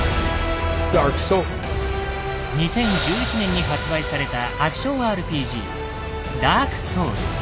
２０１１年に発売されたアクションＲＰＧ「ＤＡＲＫＳＯＵＬＳ」。